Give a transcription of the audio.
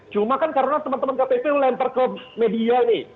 cuma kan karena teman teman ktp lempar ke media nih